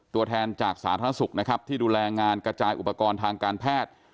ตัวแทนจากสาธารณสุขนะครับที่ดูแลงานกระจายอุปกรณ์ทางการแพทย์